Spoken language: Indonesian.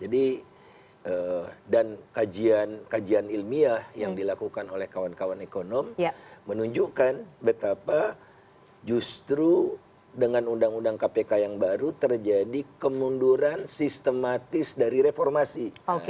dan kajian kajian ilmiah yang dilakukan oleh kawan kawan ekonom menunjukkan betapa justru dengan undang undang kpk yang baru terjadi kemunduran sistematis dari reformasi